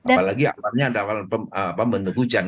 apalagi awannya ada awan pembentuk hujan